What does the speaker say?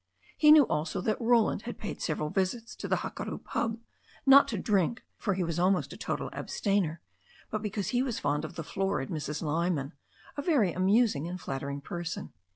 He knew, also, that Roland had paid several visits to the Hakaru pub, not to drink, for he was almost a total abstainer, but because he found the florid Mrs. Lyman a very amusing and flattering person.